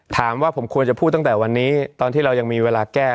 ถามว่าผมควรจะพูดตั้งแต่วันนี้ตอนที่เรายังมีเวลาแก้